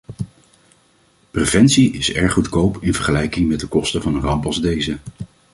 Preventie is erg goedkoop in vergelijking met de kosten van een ramp als deze.